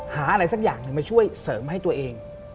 อะไรสักอย่างหนึ่งมาช่วยเสริมให้ตัวเอง